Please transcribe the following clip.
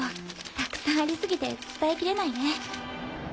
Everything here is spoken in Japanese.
たくさんあり過ぎて伝え切れないね」。